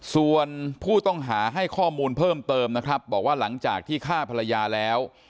ส่วนผู้ต้องหาให้ข้อมูลเพิ่มเติมนะครับบอกว่าหลังจากที่ฆ่าภรรยาแล้ว